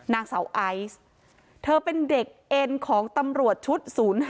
นางสาวไอซ์เธอเป็นเด็กเอ็นของตำรวจชุด๐๕